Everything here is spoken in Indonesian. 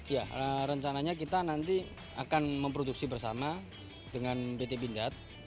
ya rencananya kita nanti akan memproduksi bersama dengan pt pindad